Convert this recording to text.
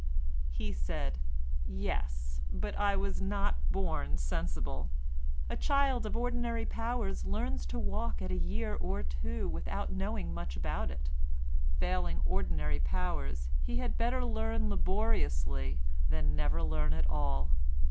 He said: "Yes, but I was not born sensible. A child of ordinary powers learns to walk at a year or two old without knowing much about it; failing ordinary powers he had better learn laboriously than never learn at all.